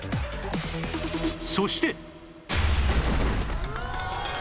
そして